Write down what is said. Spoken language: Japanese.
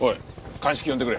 鑑識呼んでくれ。